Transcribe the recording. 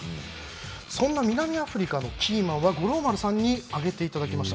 そんな南アフリカのキーマンは五郎丸さんに挙げていただきました。